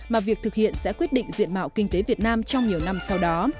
mà việc thực hiện sẽ quyết định diện mạo kinh tế việt nam trong nhiều năm sau đó